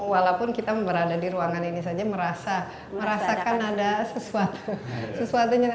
walaupun kita berada di ruangan ini saja merasakan ada sesuatu